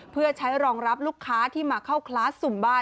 เพื่อใช้รองรับลูกค้าที่มาเข้าคลาสสุ่มบ้าน